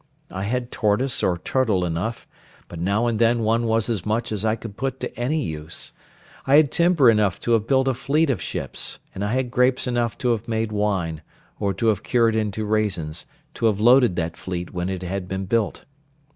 I had tortoise or turtle enough, but now and then one was as much as I could put to any use: I had timber enough to have built a fleet of ships; and I had grapes enough to have made wine, or to have cured into raisins, to have loaded that fleet when it had been built.